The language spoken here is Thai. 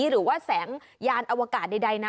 หรือว่าแสงยานอวกาศใดนะ